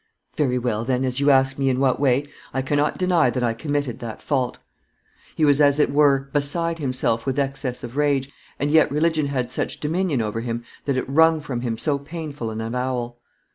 Very well, then, as you ask me in that way, I cannot deny that I committed that fault.' He was as it were beside himself with excess of rage, and yet religion had such dominion over him that it wrung from him so painful an avowal."